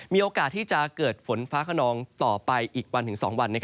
มีโอกาสที่จะเกิดฝนฟ้าขนองต่อไปอีกวันถึง๒วัน